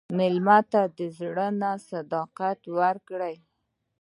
مېلمه ته د زړه نه صداقت ورکړه.